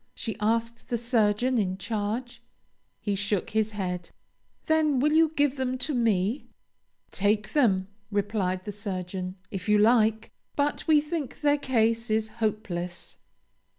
she asked the surgeon in charge. He shook his head. "Then will you give them to me?" "Take them," replied the surgeon, "if you like; but we think their case is hopeless."